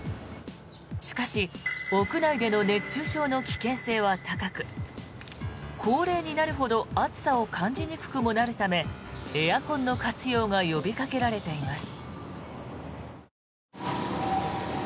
しかし屋内での熱中症の危険性は高く高齢になるほど暑さを感じにくくもなるためエアコンの活用が呼びかけられています。